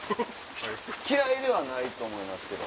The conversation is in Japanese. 嫌いではないと思いますけど。